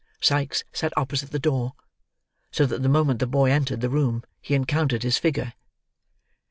Sikes sat opposite the door, so that the moment the boy entered the room he encountered his figure.